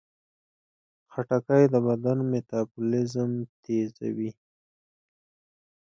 خټکی د بدن میتابولیزم تیزوي.